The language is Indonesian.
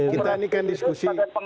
kita ini kan diskusi